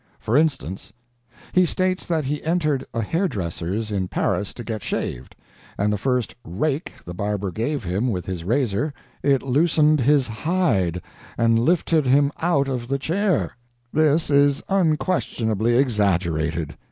For instance: He states that he entered a hair dresser's in Paris to get shaved, and the first "rake" the barber gave him with his razor it loosened his "hide" and lifted him out of the chair. This is unquestionably exaggerated.